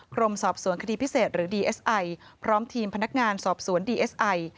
กรมสอบสวนคดีพิเศษหรือดีเอสไอพร้อมทีมพนักงานสอบสวนดีเอสไอ